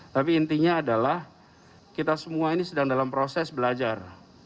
tapi intinya adalah kita semua ini sedang dalam proses belajar